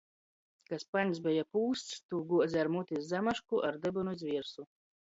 Ka spaņs beja pūsts, tū guoze ar muti iz zamašku, ar dybynu iz viersu.